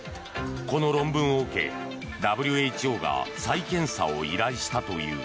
この論文を受け、ＷＨＯが再検査を依頼したという。